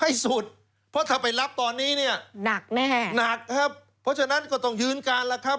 สุดเพราะถ้าไปรับตอนนี้เนี่ยหนักแน่หนักครับเพราะฉะนั้นก็ต้องยืนการแล้วครับ